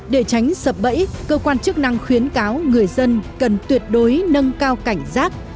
để tránh sập bẫy cơ quan chức năng khuyến cáo người dân cần tuyệt đối nâng cao cảnh giác